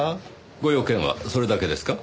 ご用件はそれだけですか？